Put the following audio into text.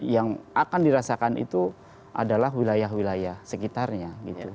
yang akan dirasakan itu adalah wilayah wilayah sekitarnya